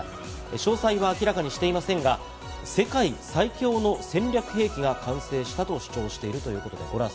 詳細は明らかにしていませんが、世界最強の戦略兵器が完成したと主張しているということです。